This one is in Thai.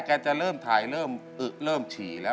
จะเริ่มถ่ายเริ่มอึ๊เริ่มฉี่แล้ว